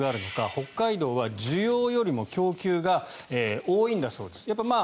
北海道は需要よりも供給が多いんだそうです。